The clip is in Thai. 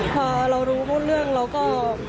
พอเรารู้พวกเรื่องแล้วก็